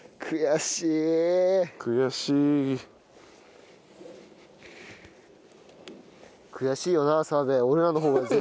悔しいよな澤部。